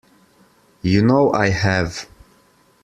You know I have.